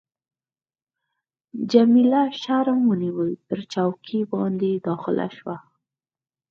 جميله شرم ونیول، پر چوکۍ باندي داخله شوه.